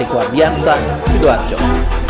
iklan biasa sudah jauh